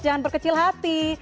jangan berkecil hati